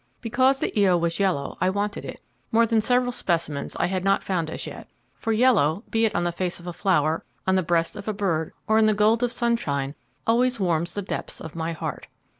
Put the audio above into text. Because the Io was yellow, I wanted it more than several specimens I had not found as yet, for yellow, be it on the face of a flower, on the breast of a bird, or in the gold of sunshine, always warms the depths of my heart.